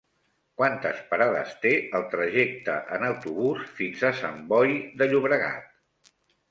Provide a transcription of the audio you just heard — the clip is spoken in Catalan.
Quantes parades té el trajecte en autobús fins a Sant Boi de Llobregat?